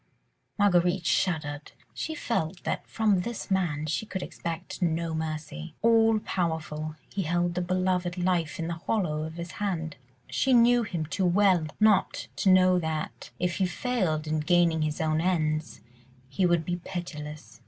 Marguerite shuddered. She felt that from this man she could expect no mercy. All powerful, he held the beloved life in the hollow of his hand. She knew him too well not to know that, if he failed in gaining his own ends, he would be pitiless.